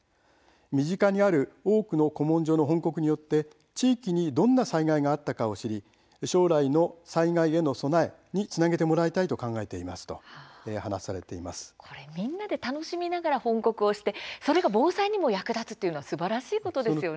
身近にある多くの古文書の翻刻によって地域にどんな災害があったかを知り将来の災害への備えにつなげてもらいたいと考えていますとみんなで楽しみながら翻刻をしてそれが防災に役立つというのはすばらしいことですね。